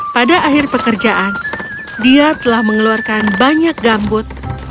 pada akhir pekerjaan dia telah mengeluarkan banyak gambut